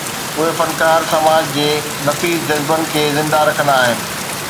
اهي فنڪار سماج جي نفيس جذبن کي زنده رکندا آهن.